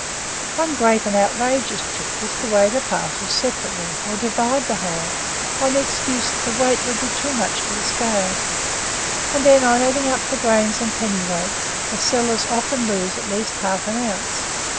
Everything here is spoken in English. One great and outrageous trick is to weigh the parcels separately, or divide the whole, on the excuse that the weight would be too much for the scales; and then, on adding up the grains and pennyweights, the sellers often lose at least half an ounce.